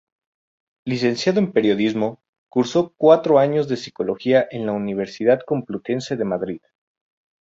Licenciado en periodismo, cursó cuatro años de psicología en la Universidad Complutense de Madrid.